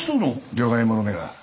慮外者めが。